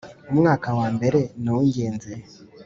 Umwaka wa mbere ni uw’ingenzi